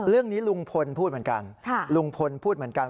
เรื่องนี้ลุงพลพูดเหมือนกันลุงพลพูดเหมือนกัน